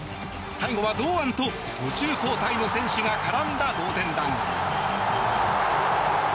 最後は堂安と途中交代の選手が絡んだ同点弾。